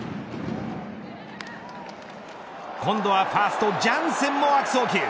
今度はファーストジャンセンも悪送球。